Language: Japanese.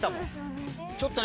ちょっとね